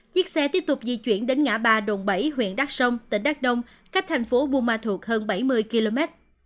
chiếc xe tiếp tục di chuyển đến ngã ba đồn bảy huyện đắc sông tỉnh đắk đông cách thành phố buôn ma thuột hơn bảy mươi km